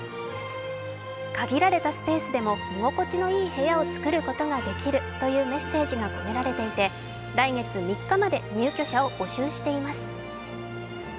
限られたスペースでも居心地のいい部屋を作ることができるというメッセージが込められていて来月３日まで入居者を募集しています。